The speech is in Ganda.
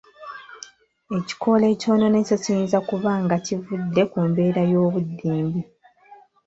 Ekikoola ekyonoonese kiyinza kuba nga kivudde ku mbeera y'obudde embi.